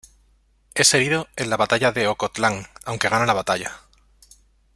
Es herido en la Batalla de Ocotlán, aunque gana la batalla.